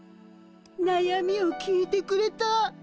なやみを聞いてくれた。